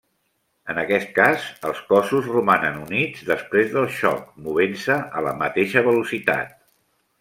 En aquest cas, els cossos romanen units després del xoc, movent-se a la mateixa velocitat.